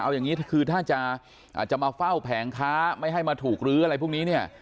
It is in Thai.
เอาอย่างนี้คือถ้าจะมาเฝ้าแผงค้าไม่ให้มาถูกลื้ออะไรพวกนี้เนี่ย